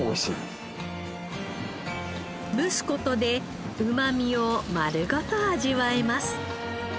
蒸す事でうまみを丸ごと味わえます。